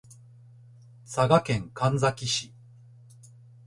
佐賀県神埼市